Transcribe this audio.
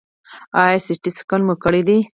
ایا سټي سکن مو کړی دی؟